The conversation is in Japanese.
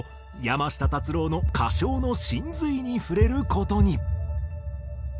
山下達郎の歌唱の真髄に触れる事に。